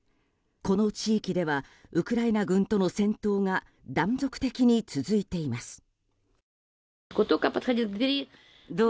この地域ではウクライナ軍との戦闘が断続的に続いています。